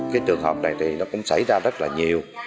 cái trường hợp này thì nó cũng xảy ra rất là nhiều